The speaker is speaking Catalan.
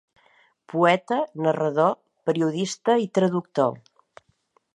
Poeta, narrador, periodista i traductor.